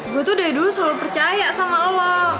gue tuh dari dulu selalu percaya sama allah